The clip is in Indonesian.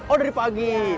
oh dari pagi